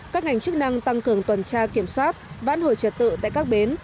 các ngành chức năng tăng cường tuần tra kiểm soát vãn hồi trật tự tại các bến